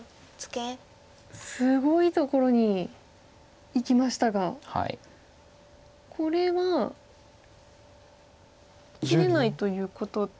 すごいところにいきましたがこれは切れないということ。